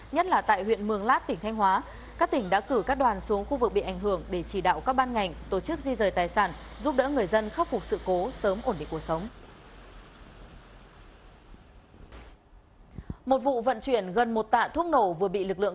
nhất là tại huyện mường lát tỉnh thanh hóa các tỉnh đã cử các đoàn xuống khu vực bị ảnh hưởng để chỉ đạo các ban ngành tổ chức di rời tài sản giúp đỡ người dân khắc phục sự cố sớm ổn định cuộc sống